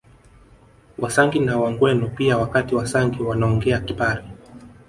Wasangi na Wagweno pia Wakati Wasangi wanaongea Kipare